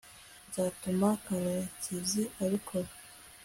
nzatuma karekezi abikora